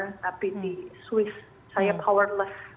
tapi di swiss saya powerless